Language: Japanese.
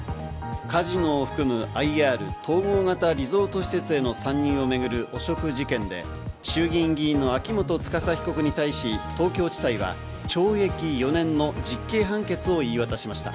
カジノを含むＩＲ＝統合型リゾート施設への参入を巡る汚職事件で、衆議院議員の秋元司被告に対し東京地裁は懲役４年の実刑判決を言い渡しました。